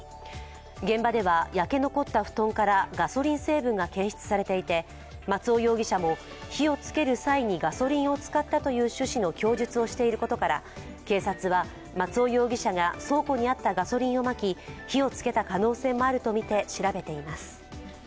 現場では焼け残った布団からガソリン成分が検出されていて松尾容疑者も、火をつける際にガソリンを使ったという趣旨の供述をしていることから警察は、松尾容疑者が倉庫にあったガソリンをまき火をつけた可能性もあるとみて調べています。